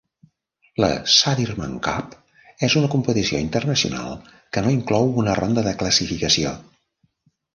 La Sudirman Cup és una competició internacional que no inclou una ronda de classificació.